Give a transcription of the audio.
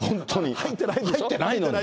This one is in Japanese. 入ってないのに。